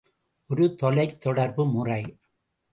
ஒரு தொலைத் தொடர்பு முறை.